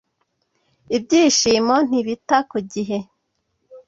ibyishimo ntibita ku gihe.